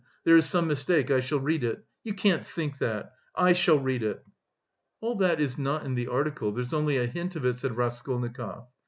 There is some mistake, I shall read it. You can't think that! I shall read it." "All that is not in the article, there's only a hint of it," said Raskolnikov.